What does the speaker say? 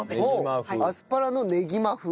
アスパラのねぎま風？